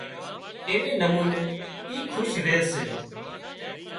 ايوي نموني اِي کُش ري سي